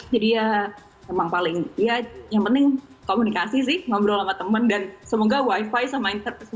jadi ya memang paling ya yang penting komunikasi sih ngobrol sama temen dan semoga wifi sama internet sama lampu nggak berhenti gitu ya